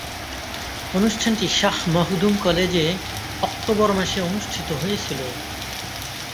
অনুষ্ঠানটি শাহ মখদুম কলেজে অক্টোবর মাসে অনুষ্ঠিত হয়েছিলো।